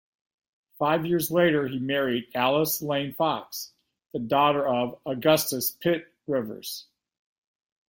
Five years later he married Alice Lane Fox, the daughter of Augustus Pitt Rivers.